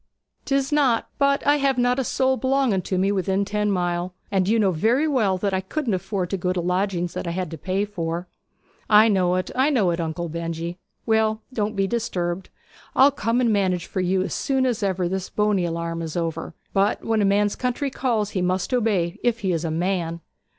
''Tis not. But I have not a soul belonging to me within ten mile; and you know very well that I couldn't afford to go to lodgings that I had to pay for.' 'I know it I know it, Uncle Benjy! Well, don't be disturbed. I'll come and manage for you as soon as ever this Boney alarm is over; but when a man's country calls he must obey, if he is a man.'